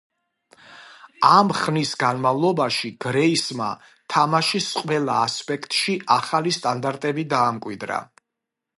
ამ ხნის განმავლობაში გრეისმა თამაშის ყველა ასპექტში ახალი სტანდარტები დაამკვიდრა.